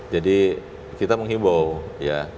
jadi kita menghibur ya